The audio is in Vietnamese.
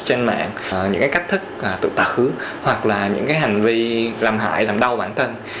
trên mạng những cái cách thức tự tạ hứa hoặc là những cái hành vi làm hại làm đau bản thân